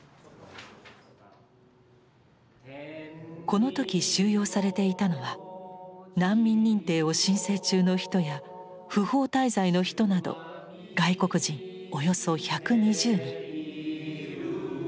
この時収容されていたのは難民認定を申請中の人や不法滞在の人など外国人およそ１２０人。